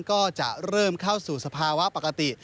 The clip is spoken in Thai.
ก็จะเริ่มเข้าสู่สภาวะปกติ